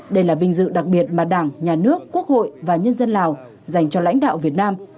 đây là vinh dự đặc biệt mà đảng nhà nước quốc hội và nhân dân lào dành cho lãnh đạo việt nam